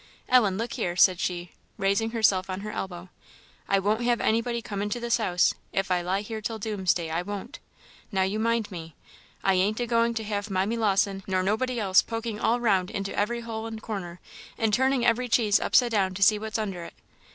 Ellen, look here," said she, raising herself on her elbow "I won't have anybody come into this house if I lie here till doomsday, I won't! Now, you mind me. I ain't agoing to have Mimy Lawson, nor nobody else, poking all round into every hole and corner, and turning every cheese upside down to see what's under it.